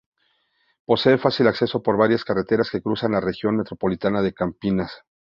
Posee fácil acceso por varias carreteras que cruzan la Región Metropolitana de Campinas.